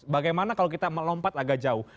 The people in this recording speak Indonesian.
bagaimana kalau kita melompat agak jauh